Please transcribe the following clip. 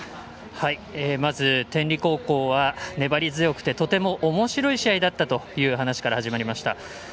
まず天理高校は粘り強くてとてもおもしろい試合だったという話から始まりました。